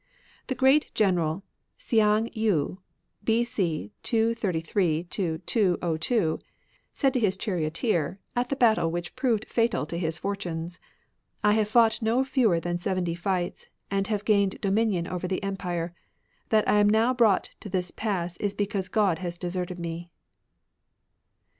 The great general Hsiang Yii, b.o. 233 202, said to his charioteer at the battle which proved fatal to his fortunes, " I have fought no fewer than seventy fights, and have gained dominion over the empire. That I am now brought to this pass is because God has deserted me."